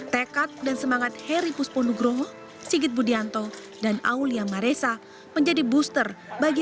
tekad dan semangat heri pusponugroho sigit budianto dan aulia maresa menjadi booster bagi